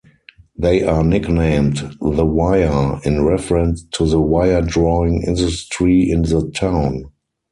They are nicknamed "The Wire" in reference to the wire-drawing industry in the town.